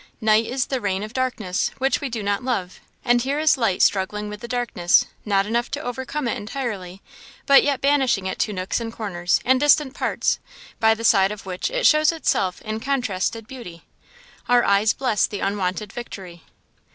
Night is the reign of darkness, which we do not love; and here is light struggling with the darkness, not enough to overcome it entirely, but yet banishing it to nooks and corners, and distant parts, by the side of which it shows itself in contrasted beauty. Our eyes bless the unwonted victory."